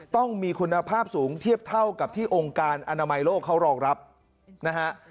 ต้องมีคุณภาพสูงเทียบเท่ากับที่องค์การอนามัยโลกเขารองรับนะฮะ